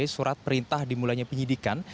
surat perintah dimulainya penyidikan